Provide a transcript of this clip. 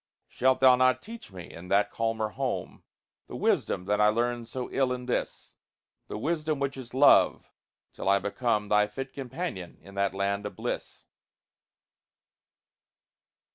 Shalt thou not teach me, in that calmer home, The wisdom that I learned so ill in this The wisdom which is love till I become Thy fit companion in that land of bliss?